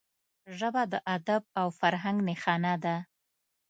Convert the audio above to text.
ژبه د ادب او فرهنګ نښانه ده